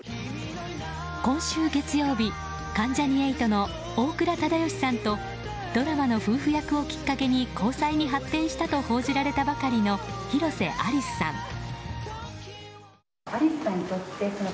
今週月曜日関ジャニ∞の大倉忠義さんとドラマの夫婦役をきっかけに交際に発展したと報じられたばかりの広瀬アリスさん。